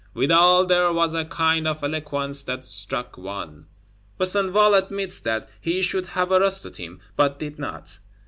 "Withal there was a kind of eloquence that struck one." Besenval admits that he should have arrested him, but did not.